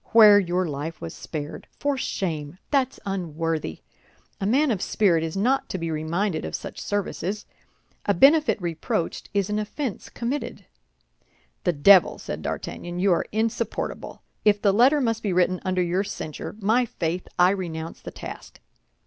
Where your life was spared! For shame! that's unworthy. A man of spirit is not to be reminded of such services. A benefit reproached is an offense committed." "The devil!" said D'Artagnan, "you are insupportable. If the letter must be written under your censure, my faith, I renounce the task."